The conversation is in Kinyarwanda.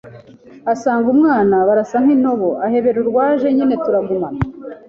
asanga umwana barasa nk’intobo, ahebera urwaje nyine turagumana,